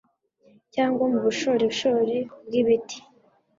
cyangwa mu bushorishori bw’ibiti